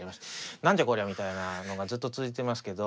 なんじゃこりゃみたいなのがずっと続いてますけど。